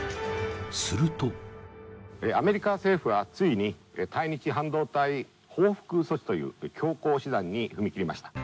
するとアメリカ政府はついに対日半導体報復措置という強硬手段に踏み切りました。